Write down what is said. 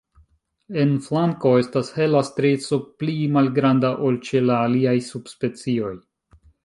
En flanko estas hela strieco pli malgranda ol ĉe la aliaj subspecioj.